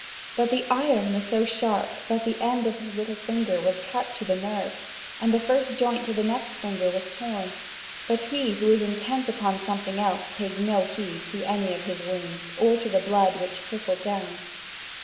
But the iron was so sharp that the end of his little finger was cut to the nerve, and the first joint of the next finger was torn; but he who is intent upon something else paid no heed to any of his wounds or to the blood which trickled down.